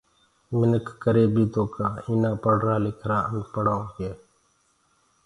مِنک ڪري بيٚ تو ڪآ ايٚنآ پڙهرآ لکرآ انپهڙآئونٚ ڪي